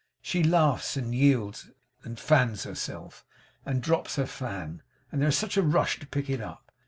She laughs, and yields, and fans herself, and drops her fan, and there is a rush to pick it up.